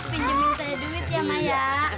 pinjemin saya duit ya maya